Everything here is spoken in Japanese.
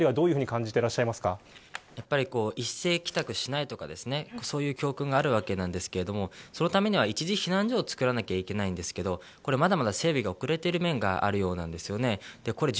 やっぱり、一斉帰宅しないとかそういう教訓があるわけですがそのためには一時避難所を作らなければいけないですがこれは、まだまだ整備が遅れている面があるようです。